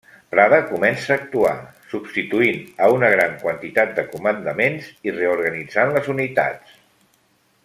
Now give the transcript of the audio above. Prada comença a actuar, substituint a una gran quantitat de comandaments i reorganitzant les unitats.